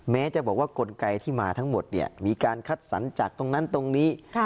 แม้จะบอกว่ากลไกที่มาทั้งหมดเนี่ยมีการคัดสรรจากตรงนั้นตรงนี้